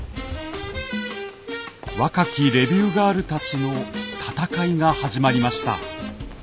若きレビューガールたちの闘いが始まりました。